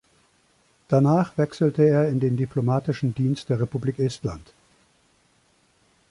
Danach wechselte er in den diplomatischen Dienst der Republik Estland.